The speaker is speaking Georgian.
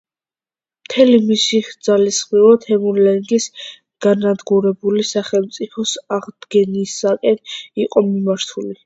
მთელი მისი ძალისხმევა თემურლენგის განადგურებული სახელმწიფოს აღდგენისაკენ იყო მიმართული.